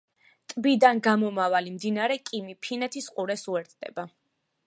ტბიდან გამომავალი მდინარე კიმი ფინეთის ყურეს უერთდება.